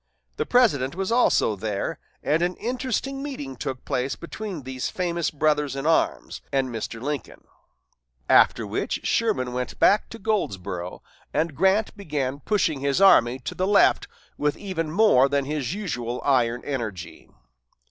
The President was also there, and an interesting meeting took place between these famous brothers in arms and Mr. Lincoln; after which Sherman went back to Goldsboro, and Grant began pushing his army to the left with even more than his usual iron energy.